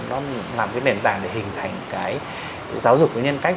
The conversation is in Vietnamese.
nó làm cái nền tảng để hình thành cái giáo dục cái nhân cách